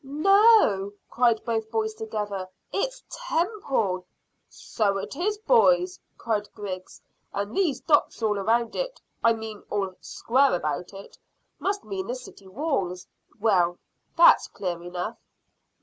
"No," cried both boys together; "it's `temple.'" "So it is, boys," cried Griggs, "and these dots all round it I mean all square about it, must mean the city walls. Well, that's clear enough."